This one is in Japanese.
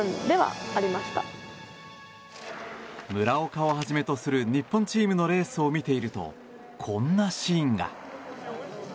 村岡をはじめとする日本チームのレースを見ているとこんなシーンが。